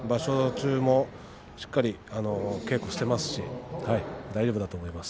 中もしっかりと稽古をしていますし大丈夫だと思います。